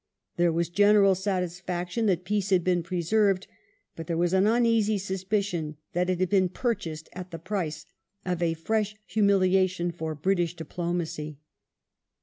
There was general satisfaction that peace had been preserved, but there was an uneasy suspicion that it had been purchased at the price of a fresh humiliation for British diplomacy.